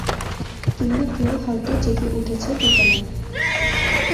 কিংবা কেউ হয়তো জেগে উঠেছে দোতলায়।